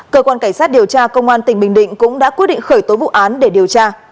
cơ quan cảnh sát điều tra công an tỉnh bình định cũng đã quyết định khởi tố vụ án để điều tra